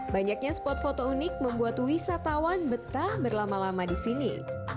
banyaknya spot foto unik membuat wisatawan betah berlama lama di sini